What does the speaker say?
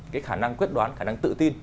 cái khả năng quyết đoán khả năng tự tin